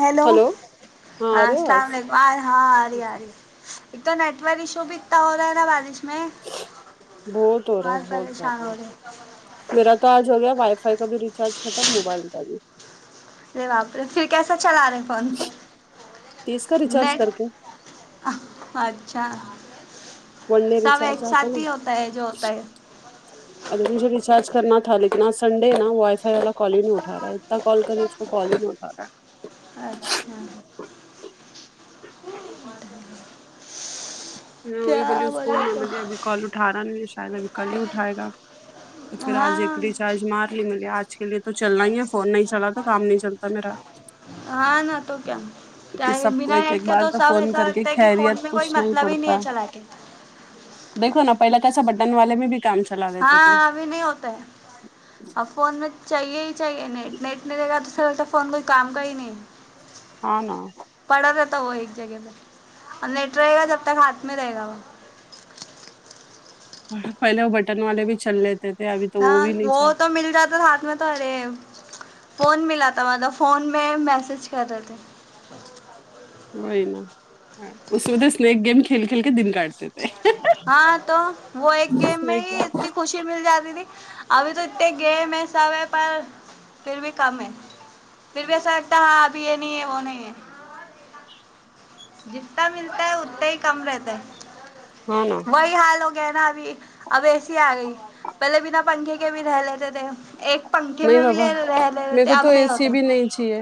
hello hello ہاں ارے السلام آواز علیکم آ ہاں آرہی آرہی ایک تو نیٹور ایشو بھی اتنا ہو رہا ہے نا بارش میں بہت ہو رہا میں اور ہے بہت پریشان زیادہ ہو رہی ہو میرا تو آج ہو گیا وائی فائی کا بھی ریچارج ختم موبائل کا بھی پھر کیسا چلا رہے فون تیس کا ریچارج نیٹ کر کے اچھا ون ڈے سب ریچارج ایک آتا ساتھ نا ہی ہوتا ہے جو ہوتا ہے ارے مجھے ریچارج کرنا تھا لتنا سنڈے نا وائی فائی والا کال ہی نہیں اٹھ رہا ہے اتنا کال کرے وہ کال ہی نہیں اٹھ رہا اچھا [unintelligible] وہی بولیے کیا اس کو بولے میں تو بولی ابھی کل اٹھا رہا نہیں ہے شاید ابھی کل ہی اٹھائے گا تو پھر آج ایک ہاں ریچارج مار لیگے آج کے لیے تو چلنا ہی ہے فون نہیں چلا تو کام نہیں چلتا میرا ہاں نہ تو کیا کہ سب کو بنا ایک ایک نیٹ کا بار تو سب فون ایسا کر کے لگتا ہے کہ خیریت فون میں کوئی پوچھنا مطلب ہی نہیں ہے چلا کے دیکو نا پہلا کسا بٹن والے میں بھی کام چلا لیتے تھے ہاں ابھی نہیں ہوتا ہے اب فون میں چاہیے ہی چاہیے نیٹ نیٹ نہیں لے گا دوسرا لگتا ہے فون کوئی کام کا ہی نہیں ہے آنا پڑھے گے تو وہ ایک جگہ پہ اور نیٹ رہے گا جب تک ہاتھ میں رہے گا وہ پہلے وہ بٹن والے بھی چل لیتے تھ ہاں وہ تو مل جاتا ہاتھ میں ارے فون میںلاتا مطلب فون میں میسج کر رہے تھے وہئی نا اس لئے اسنییک گیم کھیل کھیل کے دن کاٹتے تھے ہاں تو وہ ایک گیم میں ہی اتنی خوشی مل جاتی تھی ابھی تو اتنے گئے میں سب ہے پر پھر بھی کم ہے پھر بھی ایسا لگتا ہے ہاں اب یہ نہیں ہے وہ نہیں ہے جتنا ملتا ہے اتنا ہی کم رہتا ہے ہاں نا وہی حال ہو گیا نا ابھی اب اے سی آ گئی پہلے بنا پنکھے کے بھی رہ لیتے تھے ایک پنکھے نہیں میں بھی بابا لے رہ لیتے میرے تھے کو اب تو اے نہیں سی ہوتا بھی نہیں چاہیے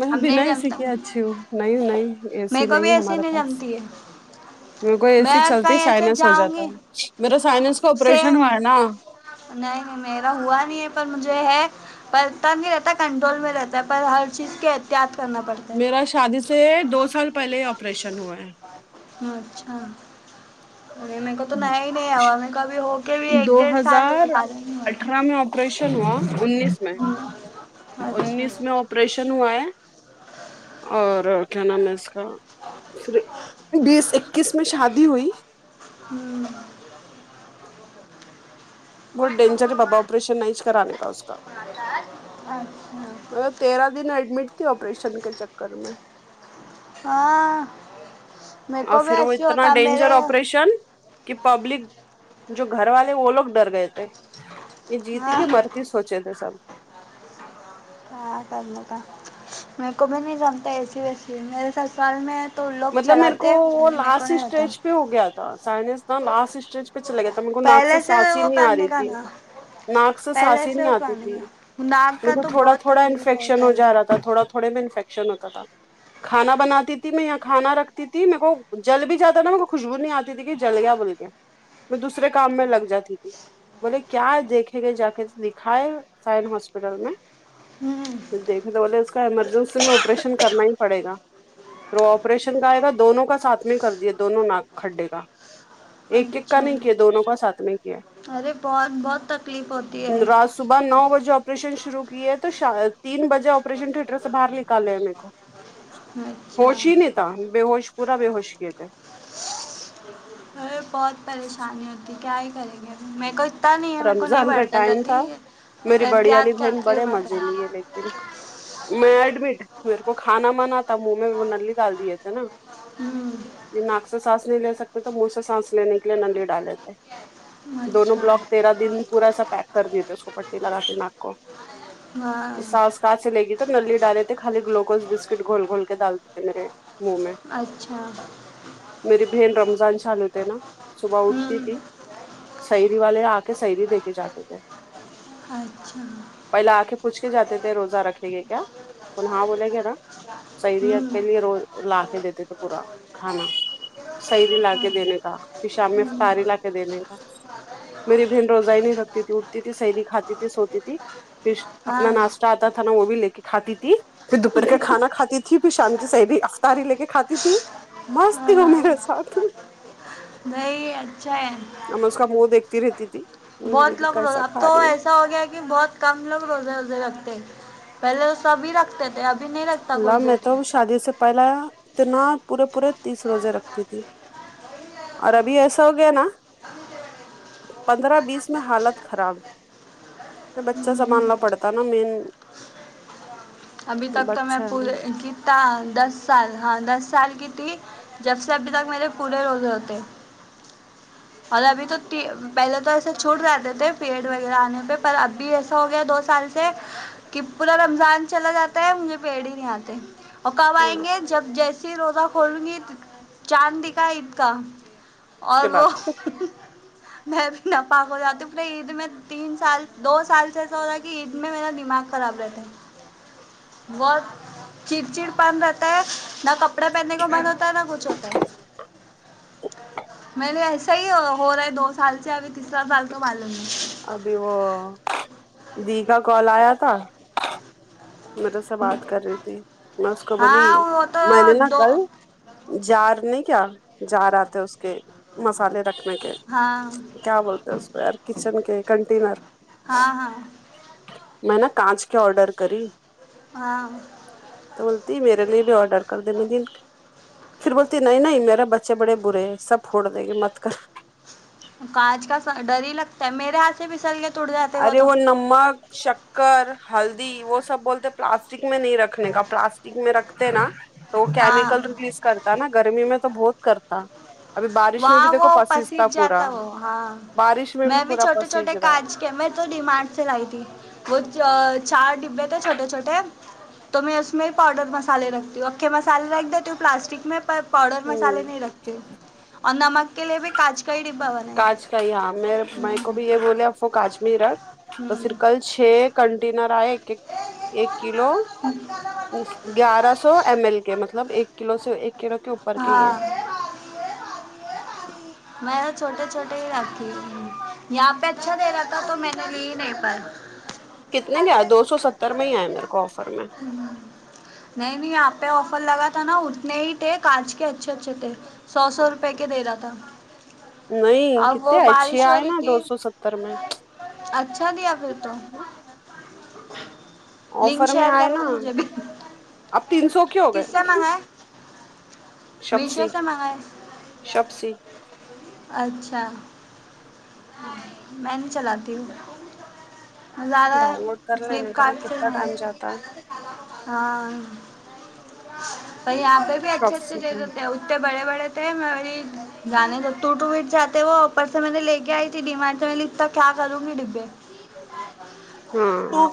میں اب بنا نہیں ای سے جمتا کے اچھی ہوں نہیں نہیں اے میرے سی کو نہیں بھی ہے ایسی ہمارے پاس جمتی ہے میرے کو ایے میں سی چلتی کہیں ایسے سائنس ہو جاؤں جاتا گی ہے میرا سائنس کا آپریشن سیم ہوا ہے نا نہیں نہیں میرا ہوا نہیں ہے پر مجھے ہے پر اتنا نہیں رہتا کنٹرول میں رہتا ہے پر ہر چیز کے احتیاط کرنا پڑتا میرا شادی سے دو سال پہلے آپریشن ہوا ہے اچھا ارے میر کو تو نیا ہی نہیں ہے آ میں کوابھی ہو کے بھی ایک دو ڈیڑھ سال ہوا ہزار زیادہ نہیں ہوا اٹھارہ میں آپریشن ہوا انیس میں اچھا اس میں آپریشن ہوا ہے اور کیا نام ہے اس کا ہ پھر بیس اکیس میں شادی ہوئی ہوں بہت ڈینجر ہے بابا آپریشن نہیں کرانے کا اس کا اچھا وہ تیرہ دن ایڈمٹ تھی آپریشن کے چکر میں ہاں میرے اور کو بھی پھر وہ ایسے اتنا ہوتا ڈینجر میرے آپریشن کہ پبلک جو گھر والے وہ لوگ ڈر گئے تھے یہ جیتی ہاں کہ مر یہ سوچے تھے سب ہ کرنے کا میرے کو بھی نہیں جمتا اے سی وے سی میرے سسرال میں تو لوگ مطلب میرے کو چلاتے وہ میرے کو لاسٹ نہیں ہوتا اسٹیج پہ ہو گیا تھا سائنس نہ لاسٹ اسٹیج چھلا گیا تھا میرے کو ناک سے پہلے سانس ہی وہ نہیں آ رہی کرنے کا تھی نا ناک سے سانس پہلے ہی سے نہیں وہ آتی کرنے تھی کا ناک کا کیونکہ تو تھوڑا بہت تھوڑا تکلیف انفیکشن ہوتا ہو جا ہے رہا تھوڑا تھوڑے میں انفیکشن ہوتا تھا کھانا بناتی تھی میں یہاں کھانا رکھتی تھی میرے کو جل بھی جاتا تھا میں کو خوشبو نہیں آتی تھی کہ جل گیا بول کے میں دوسرے کام میں لگ جاتی تھی بولے کیا ہے دیکھے گے جا کے دکھائے سائن ہاسپٹل میں ہوں دیکھے تو بولے اس کا ایمرجنسی میں آپریشن کرنا ہی پڑے گا روپ آپریشن کا ہے کا دونوں کا ساتھ میں کر دیے دونوں ناک کھڈے گا ایک ایک کا اچھا نہیں کیا دونوں کا ساتھ میں کیا ارے بہت بہت تکلیف ہوتی ہے رات صبح نو بجے آپریشن شروع کیے تو تین بجے آپریشن تھیٹر سے باہر نکالے میرے کو اچھا ہوش ہی نہیں بےہوش پورا بے ہوش کیے تھے ارے بہت پریشانی ہوتی کیا ہی کریں گے میں کو نہیں ہے میرے کو نہیں رمضان کا بڑھتا ٹائم تھا جلدی میری بڑی والی احتیاط بہن کرتی ہوں بڑے میں مزے پہلے لیے لیکن میں ایڈمٹ میرے کو کھانا منا تھا منہ میں نلی ڈال دیے تھے نا ہوں یہ ناک سے سانس نہیں لے سکتے تو منہ سے سانس لینے کے لیے نلی ڈالےتھے اچھا دن پورا سا پیک کر دیے تھے اس کو پٹی لگا کے ناک کو وائے سا سانس لگی تو نلی ڈالے تھے خالی گلوکوز بسکٹ گھول گھول کے ڈالتے تھے میرے منہ میں اچھا میری بہن رمضان چلو تھے نا صبح اٹتی ہوں تھی سحری والے آ کے سحری دیکھے جاتے تھے اچھا پہلے آ کے پوچھ کے جاتے تھے روزہ رکھے گے کیا اپن ہاں بولیں گے نا سحیریت ہوں ہوں کے لیے روز لا کے دیتے تھے پورا کھانا سحری لا کے دینے کا پھر شام میں تاری لا کے دینے کا میری پہن روزائی نہیں رکھتی تھی اٹھتی تھی سحری کھاتی تھی سوتی تھی پھر اپنا ہاں ناشتہ آتا تھا نا وہ بھی لے کے کھاتی تھی پھر دوپہر کے کھانا کھاتی تھی پھر شام کی سحری افطاری لے کے کھاتی تھی مست تھی وہ میرے ساتھ نہیںی اچھا ہے آب میں اس کا منہ دیکھتی رہتی تھی بہت دیدی لوگ روزہ کیسا اب کھا تو رہی ہے ایسا ہو گیا کہ بہت کم لوگ روزے وزے رکھتے پہلے توہ سبھی رکھتے تھے ابھی نہیں رکھتا کوئی اللہ میں تو جلدی ہوں شادی سے پہلا اتنا پورے پورے تیس روزے رکھتی تھی اور ابھی ایسا ہو گیا نا پندرہ بیس میں حالت خراب میں بچہ سنبھالنا پڑتا ہے نا مین ابھی تک تو میں بچہ پورے ہے کتا دس سال ہاں دس سال کی تھی جب سے ابھی تک میرے پورے روزے ہوتے اور ابھی تو پہلے تو ایسے چھوٹ رہے تھے پیڈ وغیرہ آنے پہ پر ابھی ایسا ہو گیا دو سال سے کہ پور رمضان چلا جاتا ہے مجھے پیڑ ہی نہیں آتے اور کب آئیں اس گے جب جیسے روزہ کھولوں گی چاند دیکھا عید کا اور کے بعد وہ میں بھی نا پاک ہو جاتی ہوں پورے عید میں تین سال دو سال سے ایسا ہوتا ہے کہ عید میں میرا دماغ خراب رہتا ہے بہت چڑچڑ پان رہتا کرتا ہے نہ کپڑے پہننے کا من ہوتا ہے نہ کچھ ہوتا ہے میں نے ایسا ہی ہو رہا ہے دو سال سے ابھی تیسرا سال تو معلوم نہیں ابھی وہ دی کا کال آیا تھا میرے سے بات کر رہی تھی میں اس کو بولی ہاں وہ تو میں نے نا دو کل جار نہیں کیا جار آتے اس کے مسالے رکھنے کے ہاں کیا بولتے ہیں اس کو یار کچن کے کنٹینر ہاں ہاں میں نے کانچ کے آڈر کری ہاں تو بولتی میرے لیے بھی آڈر کر دینے دن پھر بولتی نہیں نہیں میرا بچے بڑے برے ہیں سب پھوڑ دیں گے مت کر کانچ کا ڈر ہی لگتا ہے میرے ہاتھ سے پسل گئے ارے وہ نمک شککر ہلدی وہ سب بولتے پلاسٹک میں نہیں رکھ رکھنے کا پلاسٹک میں رکھتے نا تو ہاں کیمیکل ریلیز کرتے ہے نا گرمی میں تو بہت کرتا ابھی بارش میں بھی وہاں وہ دیکھو پسیس تا پسیج پورا جاتا وہ ہاں بارش میں بھی پورا پسیج رہا ہے کہ میں تو ڈیمارٹ سے لائی تھی وہ چا چار ڈبے تھے چھوٹے چھوٹے تو میں اس میں پاؤڈر مسالے رکھتی ہوں اکھے مسالے رکھ دیتی ہوں پلاسٹک میں پر پاؤڈر ہوں مسالے نہیں رکھتے اور نمک کے لیے بھی کاانچ کا ہی ڈبا والا کاچ کا ہی ہاں میرے میں کو بھی یہ بولے اففو کانچ میں رکھ تو پھر کل چھ کنٹینر آئے ایک ایک ایک کلو ہوں گیارہ سو ایم ایل کے مطلب ایک کلو سے ایک کلو کے اوپر کے ہی ہیں ہاں میں نے چھوٹے چھوٹے ہی رھی یہاں پہ اچھا دے رہا تھا تو میں نے لی ہی نہیں پیی کتنے کے آئے دو سو ستر میں ہی آئے میرے کو آفر میں نہیں نہیں یہاں پہ آفر لگا تھا نا اتنے ہی تھے کانچ کے اچھے اچھے تھے سو سو روپے کے دے رہا تھا نہیں اب کتنے وہ اچھے بارش ہو آئے رہی نا دو تھی سو ستر میں اچھا دیا پھر تو لنک آفر میں شیئر آئے کرو نا گے مجھے بھی اب تین سو کے ہو کس سے منگاے شوپسی شوپسی اچھا میں نہیں چلاتی ہوں زیادہ ڈاؤن لوڈ کر لینے کا نا فلپکارٹ سے ہی کتنا ٹائم منگاتی جاتا ہے ہوں ہاں یہاں پہ بھی اچھے اچھے [unintelligible] شاپسی پہ ج اتے بڑے بڑے تھے میں بولی جانے جب ٹوٹ وٹ جاتے وہ اوپر سے میں نے لے کے کیا آئی تھی ڈمان میں اتنا کیا کروں گی ڈبے ہاں پ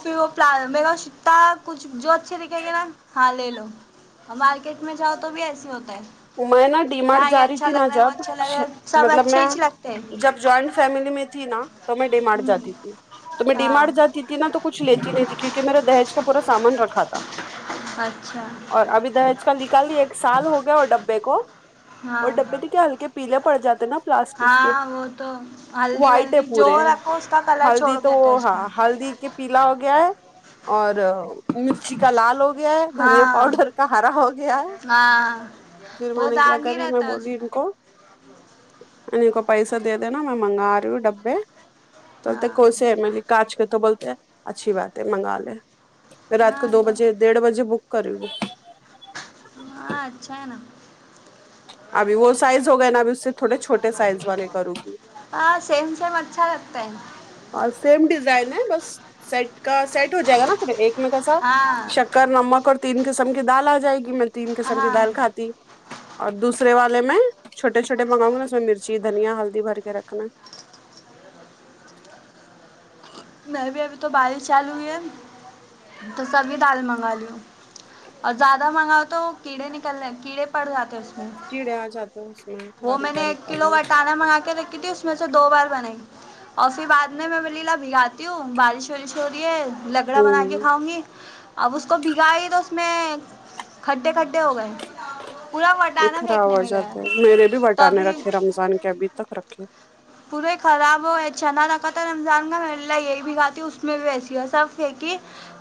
ستا [unintelligible] کچھ جو اچھے دکھیں گے نا ہاں لے لو اور مارکیٹ میں جاؤ تو بھی ایسے ہوتا ہے میں نا ڈی کہ مارٹ ہاں جا یہ رہی اچھا تھی لگ نا رہا ہے وہ جب اچھا لگ رہا ہے سب مطلب اچھے میں ہی لگتے جب جوائنٹ فیملی میں تھی نا تو میں ڈی مارٹ ہیں جاتی تھی تو میں ڈی ہاں مارٹ جاتی تھی نا تو کچھ لیتی نہیں تھی کیونکہ میرا دہج کا پورا سامان رکھا تھا اچھا اور ابھی دہج کا نکالی ایک سال ہو گیا اور ڈبا ہاں اور ڈبے بھی کیا ہلکے پیلے پڑ جاتے نا پلاسٹک کے ہاں وہ تو ہلدی وائٹ ہے ولدی جو پورے رکھو اس کا کلر چھوڑ ہلدی تو دیتا ہے وہ اس میں ہاں ہلدی کے پیلا ہو گیا ہے اور مرچی کا لال ہو گیا ہے دھنیا ہاں پاؤڈر کا ہرا ہو گیا ہے ہاں پھر میں وہ نے کیا داغ ہی کری میں رہتا ہے اس بولی ان کو نہیں کو پیسہ دے دینا میں منگا رہی ہوں ڈبے تو بولتے ہاں کوسے ہے میں بولی کانچ پھر تو بولتے ہیں اچھی بات ہے منگا لے رات کو ہاں دو تو بجے ڈیڑھ بجے بک کری ہاں اچھا ہے نا ابھی وہ سائز ہو گئے نا ابھی اس سے تھوڑے چھوٹے سائز والے کرو گی ہاں سیم سیم اچھا لگتا ہے اور سیم ڈیزائن ہے بس سیٹ کا سیٹ ہو جائے گا نا پھر ایک میں کیسا ہاں شک کر نمک اور تین قسم کی دال آ جائے گی میں تین قسم کی ہاں دال کھاتی اور دوسرے والے میں چھوٹے چھوٹے منگاؤ گی نا اس میں مرچی دھنیا ہلدی بھر کے رکھنا میں بھی ابھی تو بارش چالو ہوئی ہے تو سبھی دال منگا لی ہوں اور زیادہ منگاؤ تو کیڑے نکلنے کیڑے پڑ جاتے ہیں اس کیڑے آ جاتے ہیں اس میں وہ باریک میں نے باریک ایک والے کلو وٹانا منگا کے رکھی تھی اس میں سے دو بار بنای اور پھر بعد میں میں بولی لاؤ بھگاتی ہوں بارش وارش ہو رہی ہے لگڑا بنا کے ہوں کھاؤں گی اب اس کو بگھائی تو اس میں کھڈے کھڈے ہو گئے پورا وٹانا خراب پھینکنے ہو میں گیا جاتے میرے بھی تو بٹانے ابھی رکھے رمضان کے ابھی تک رکھے پورے خراب ہوئے چھنا رکھا تھا رمضان گ لہ یہی بگھاتی اس میں بھی ویسی ہے سب پھینکی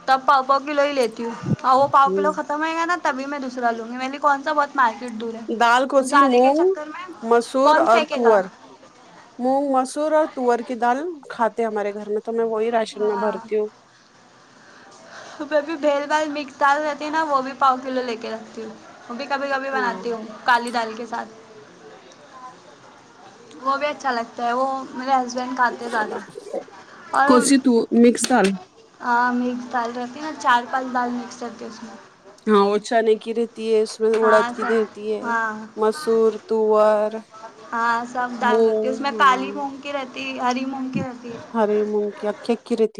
تب پاؤ پاؤ کلو ہی لیتی ہوں ہاں وہ پاو کلو ہوں ختم ہوے گا تبھی میں دوسرا لوں گی میں کون سا بہت مارکیٹ دور ہے دال کو وہ سی زآدے کے مونگ چکر میں مسور کون اور پھینکے گا تور مونگ مسور اور تور کی دال کھاتے ہیں ہمارے گھر میں تو میں وہی راشن میں ہاں بھرتی ہوں ہ بھی بھیل بھال مکس دال رہتی ہے نا وہ بھی پاؤ کلو لے کے رکھتی ہوں وہ بھی کبھی کبھی ہاں بناتی ہوں کالی دال کے ساتھ وہ بھی اچھا لگتا وہ میرے ہسبینڈ کہاتے ہیں زیادہ اور کوسی تو مکس دال ہ مکس دال رہتی نا چار پانچ دال مکس کرتی اس میں ہاں وہ چانے کی رہتی ہے اس میں ہاں اڑدات کی سب دیتی ہے ہاں مسور تور ہاں سب دال رہتی ہے اس میں مونگ ہاں کالی مونگ کی رہتی ہری مونگ کی رہتی ہے ہرے مونگ کی اکھی رہتی